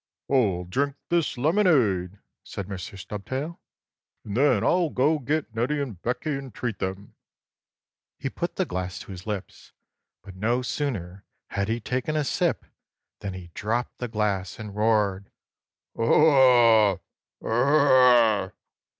4. "I'll drink this lemonade." said Mr. Stubtail, "and then I'll go get Neddie and Beckie and treat them." He put the glass to his lips, but, no sooner had he taken a sip, than he dropped the glass and roared: "Oh, burr r r r r!